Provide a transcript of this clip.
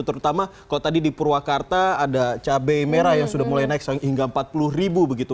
terutama kalau tadi di purwakarta ada cabai merah yang sudah mulai naik hingga empat puluh ribu begitu